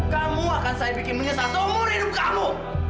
kamu akan saya bikin menyesal seumur hidup kamu